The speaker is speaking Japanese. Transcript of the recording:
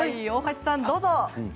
大橋さん、どうぞ。